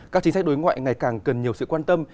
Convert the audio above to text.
các chính sách đối ngoại ngày càng cần nhiều sự quan tâm